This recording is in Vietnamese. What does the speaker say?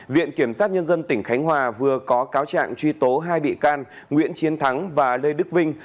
viện kiểm sát nhân dân tỉnh khánh hòa vừa có cáo trạng truy tố hai bị can nguyễn chiến thắng và lê đức vinh